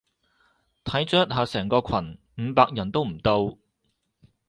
睇咗一下成個群，五百人都唔到